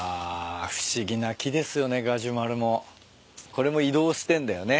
これも移動してんだよね。